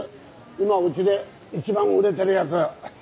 今うちで一番売れてるやつ。